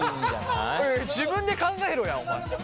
おいおい自分で考えろやお前。